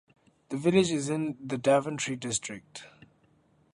The village is in the Daventry district.